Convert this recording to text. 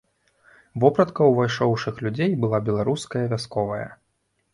Вопратка ўвайшоўшых людзей была беларуская вясковая.